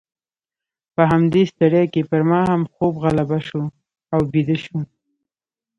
په همدې ستړیا کې پر ما هم خوب غالبه شو او بیده شوم.